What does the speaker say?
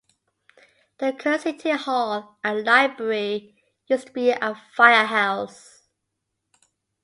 The current city hall and library used to be a firehouse.